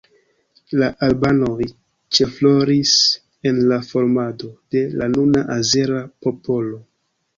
La albanoj ĉefrolis en la formado de la nuna azera popolo.